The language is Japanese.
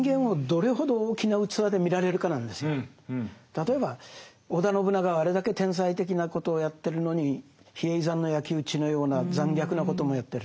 例えば織田信長はあれだけ天才的なことをやってるのに比叡山の焼き討ちのような残虐なこともやってる。